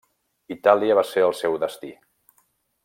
Itàlia va ser el seu destí.